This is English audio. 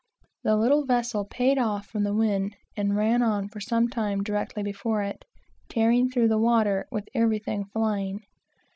The little vessel "paid off" from the wind, and ran on for some time directly before it, tearing through the water with everything flying.